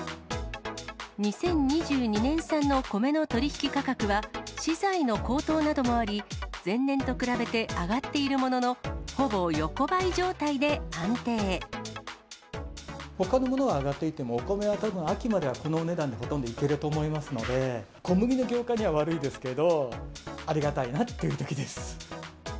２０２２年産の米の取り引き価格は、資材の高騰などもあり、前年と比べて上がっているものの、ほかのものが上がっていても、お米はたぶん秋まではこのお値段でほとんどいけると思いますので、小麦の業界には悪いですけど、ありがたいなっていうときです。